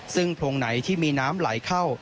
ซึ่งโพรงไหนที่มีน้ำไหลเข้า